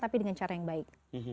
tapi dengan cara yang baik